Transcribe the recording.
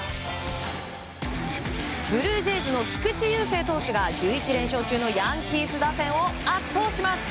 ブルージェイズの菊池雄星投手が１１連勝中のヤンキース打線を圧倒します。